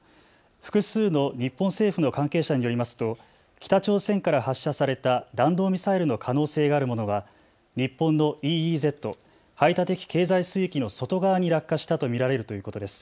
複数の日本政府の関係者によりますと北朝鮮から発射された弾道ミサイルの可能性があるものは日本のＥＥＺ・排他的経済水域の外側に落下したと見られるということです。